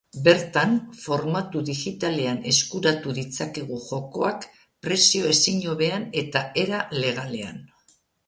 Bertan, formatu digitalean eskuratu ditzakegu jokoak prezio ezin hobean eta era legalean.